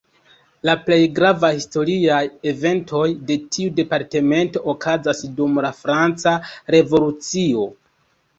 La plej gravaj historiaj eventoj de tiu departemento okazis dum la franca Revolucio.